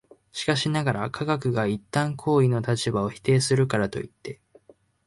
しかしながら、科学が一旦行為の立場を否定するからといって、